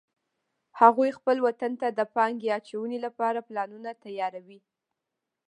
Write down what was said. هغوی خپل وطن ته د پانګې اچونې لپاره پلانونه تیار وی